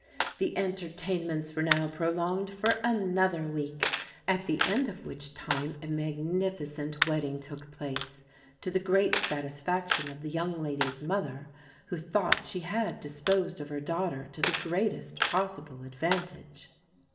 The entertain ments were now prolonged for another week, at the end of which time a magnificent wedding took place, to the great satisfaction of the young lady's mother, who thought she had disposed of her daughter to the greatest possible advantage.